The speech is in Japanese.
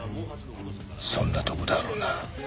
そんなとこだろうな。